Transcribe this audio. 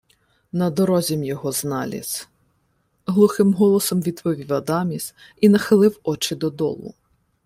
— На дорозі-м його зналіз, — глухим голосом відповів Адаміс і нахилив очі додолу.